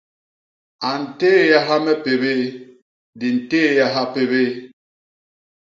A ntééaha me pébéé, di ntééaha pébéé.